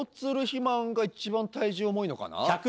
肥満が一番体重重いのかな